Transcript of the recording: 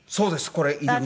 これ入り口。